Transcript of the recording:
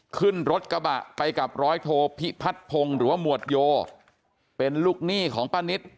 ขึ้นรถกระบะไปกับร้อยโทพิพัฒน์พงศ์หรือว่าหมวดโยเป็นลูกหนี้ของป้านิต